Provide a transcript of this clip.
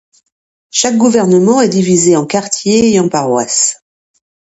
Chaque gouvernement est divisé en quartiers et en paroisses.